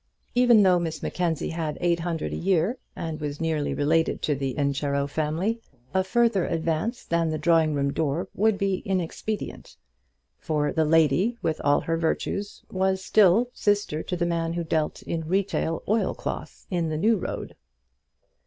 Even though Miss Mackenzie had eight hundred a year, and was nearly related to the Incharrow family, a further advance than the drawing room door would be inexpedient; for the lady, with all her virtues, was still sister to the man who dealt in retail oilcloth in the New Road!